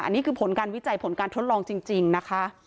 อันนี้คือผลการวิจัยผลการทดลองจริงนะคะ